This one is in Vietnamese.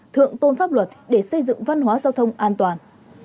thượng tôn pháp luật để xây dựng văn hóa giao thông an toàn